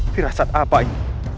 firasat apa ini